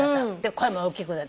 声も大きくなる。